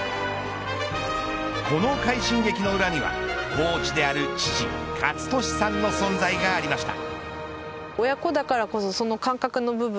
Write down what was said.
この快進撃の裏にはコーチである父健智さんの存在がありました。